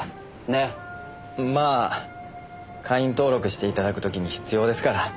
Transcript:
まあ会員登録して頂く時に必要ですから。